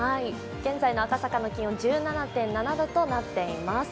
現在の赤坂の気温、１７．７度となっています。